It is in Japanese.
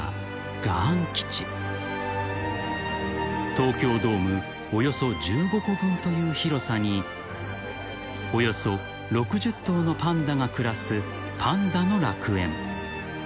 ［東京ドームおよそ１５個分という広さにおよそ６０頭のパンダが暮らすパンダの楽園］